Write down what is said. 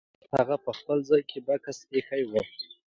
هغه به په خپل ځای کې بکس ایښی وي.